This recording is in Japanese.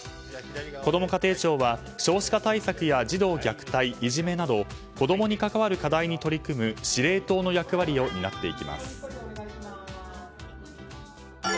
こども家庭庁は少子化対策や児童虐待いじめなど子供に関わる課題に取り組む司令塔の役割を担っていきます。